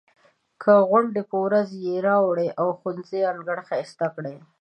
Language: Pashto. د غونډې په ورځ یې راوړئ او د ښوونځي انګړ ښایسته کړئ.